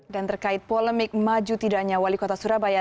dan terkait polemik maju tidaknya wali kota surabaya